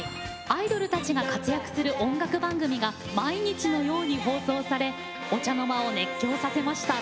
アイドルたちが活躍する音楽番組が毎日のように放送されお茶の間を熱狂させました。